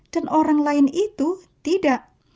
dan orang lain itu tidak